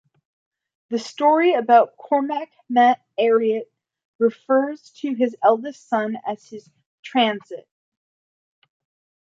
A story about Cormac mac Airt refers to his eldest son as his Tanist.